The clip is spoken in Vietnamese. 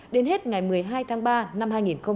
đến hết ngày một mươi hai tháng ba năm hai nghìn hai mươi